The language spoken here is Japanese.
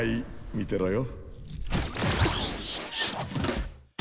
見てろよ。